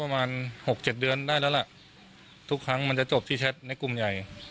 ประมาณหกเจ็ดเดือนได้แล้วล่ะทุกครั้งมันจะจบที่แชทในกลุ่มใหญ่